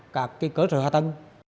các cái cơ sở hạ tân